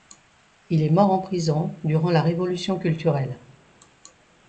Il est mort en prison durant la Révolution culturelle.